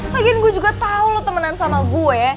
lagian gue juga tau lo temenan sama gue